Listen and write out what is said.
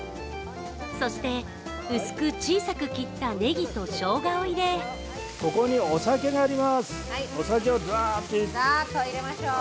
そして薄く小さく切ったねぎとしょうがを入れお酒をざっと入れましょう。